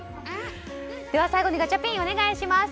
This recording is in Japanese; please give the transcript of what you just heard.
最後に、ガチャピンお願いします。